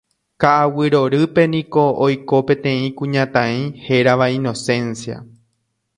Ka'aguy Rorýpe niko oiko peteĩ kuñataĩ hérava Inocencia.